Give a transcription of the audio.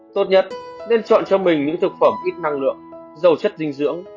tốt nhất nên chọn cho mình những thực phẩm ít năng lượng giàu chất dinh dưỡng